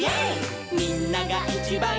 「みんながいちばん」